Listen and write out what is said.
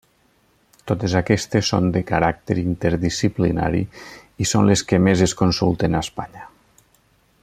Totes aquestes són de caràcter interdisciplinari i són les que més es consulten a Espanya.